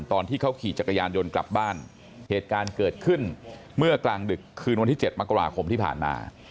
ตอนที่เขาขี่จักรยานยนต์กลับบ้านเหตุการณ์เกิดขึ้นเมื่อกลางดึกคืนวันที่๗มกราคมที่ผ่านมา